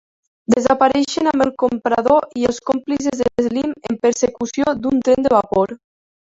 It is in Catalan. Desapareixen amb el comprador i els còmplices de Slim en persecució d'un tren de vapor.